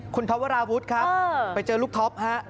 คุณท็อวราวุฒิครับไปเจอลูกท็อปฮะ